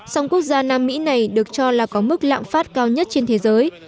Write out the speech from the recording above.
song quốc gia nam mỹ này được cho là có mức lạm phát cao nhất trên thế giới